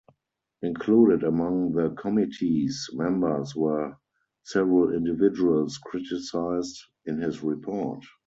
Included among the committee's members were several individuals criticised in his report.